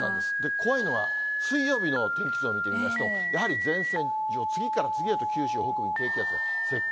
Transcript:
怖いのは、水曜日の天気図を見てみますと、やはり前線上、次から次へと九州北部に低気圧が接近。